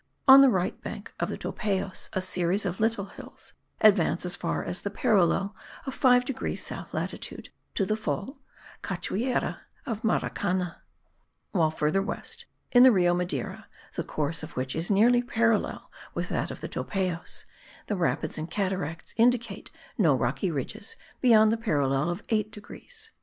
On the right bank of the Topayos a series of little hills advance as far as the parallel of 5 degrees south latitude, to the fall (cachoeira) of Maracana; while further west, in the Rio Madeira, the course of which is nearly parallel with that of the Topayos, the rapids and cataracts indicate no rocky ridges beyond the parallel of 8 degrees.